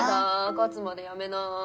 勝つまでやめない。